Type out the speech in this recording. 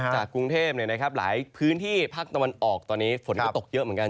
กรุงเทพหลายพื้นที่ภาคตะวันออกตอนนี้ฝนก็ตกเยอะเหมือนกัน